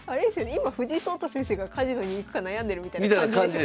今藤井聡太先生がカジノに行くか悩んでるみたいな感じですよね